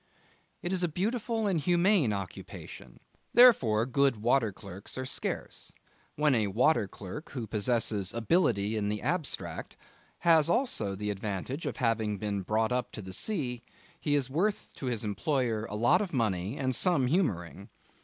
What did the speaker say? It is a beautiful and humane occupation. Therefore good water clerks are scarce. When a water clerk who possesses Ability in the abstract has also the advantage of having been brought up to the sea, he is worth to his employer a lot of money and some humouring.